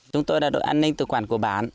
chúng tôi là đội an ninh tự quản của bản